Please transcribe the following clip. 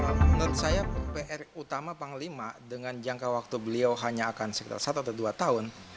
menurut saya pr utama panglima dengan jangka waktu beliau hanya akan sekitar satu atau dua tahun